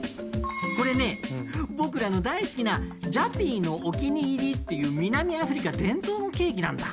これね僕らの大好きな「ジャピーのお気に入り」っていう南アフリカ伝統のケーキなんだ。